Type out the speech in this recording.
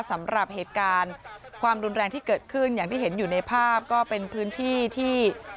สำหรับเหตุการณ์ความรุนแรงที่เกิดขึ้นอย่างที่เห็นอยู่ในภาพก็เป็นพื้นที่ที่